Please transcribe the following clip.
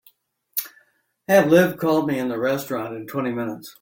Have Liv call me in the restaurant in twenty minutes.